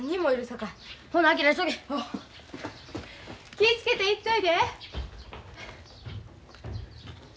気ぃ付けて行っといで。